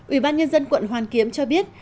ủy ban nhân dân quận hoàn kiếm cho biết